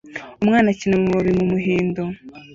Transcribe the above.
Umwana akina mumababi mumuhindo